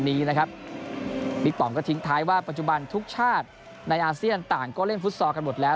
นี้นะครับบิ๊กปอมก็ทิ้งท้ายว่าปัจจุบันทุกชาติในอาเซียนต่างก็เล่นฟุตซอลกันหมดแล้ว